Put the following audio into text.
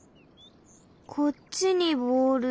こっちにボール。